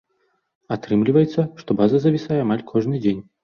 Атрымліваецца, што база завісае амаль кожны дзень.